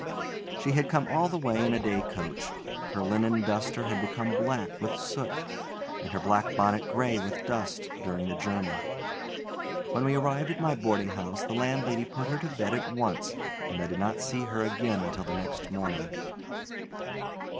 She had come all the way in a day coach; her linen duster had become black with soot, and her black bonnet gray with dust, during the journey. When we arrived at my boardinghouse the landlady put her to bed at once and I did not see her again until the next morning.